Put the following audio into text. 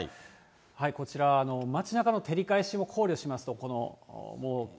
こちら、街なかの照り返しも考慮しますと。